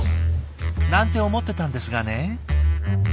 なんて思ってたんですがね。